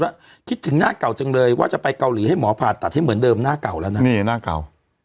แล้วคิดถึงหน้าเก่าจังเลยว่าจะไปเกาหลีให้หมอผ่าตัดให้เหมือนเดิมหน้าเก่าแล้วนะนี่หน้าเก่า